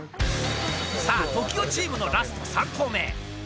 さあ、ＴＯＫＩＯチームのラスト３投目。